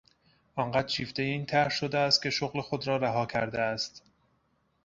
آنقدر شیفتهی این طرح شده است که شغل خود را رها کرده است.